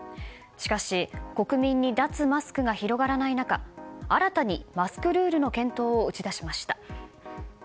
しかし国民に脱マスクが広がらない中新たにマスクルールの検討を打ち出しました。